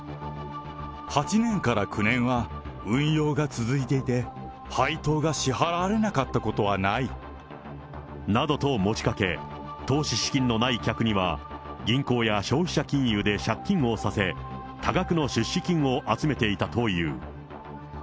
８年から９年は運用が続いていて、配当が支払われなかったことはない。などと持ちかけ、投資資金のない客には、銀行や消費者金融で借金をさせ、多額の出資金を集めていたという。